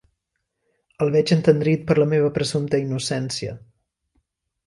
El veig entendrit per la meva presumpta innocència.